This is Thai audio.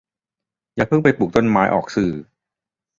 อย่าเพิ่งไปปลูกต้นไม้ออกสื่อ